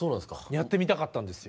やってみたかったんですよ。